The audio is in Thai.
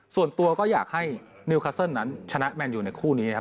ส่วนตัวก็อยากให้นิวคัสเซิลนั้นชนะแมนยูในคู่นี้นะครับ